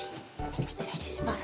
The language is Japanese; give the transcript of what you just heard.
お水やりします。